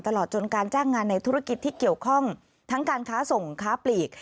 ตลอดจนการจ้างงานในธุรกิจที่เกี่ยวข้องทั้งการค้าส่งค้าปลีก